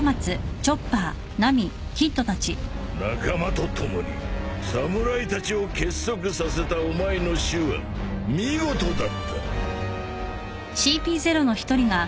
仲間と共に侍たちを結束させたお前の手腕見事だった。